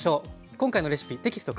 今回のレシピテキスト